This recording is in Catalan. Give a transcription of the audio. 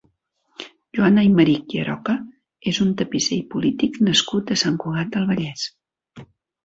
Joan Aymerich i Aroca és un tapisser i polític nascut a Sant Cugat del Vallès.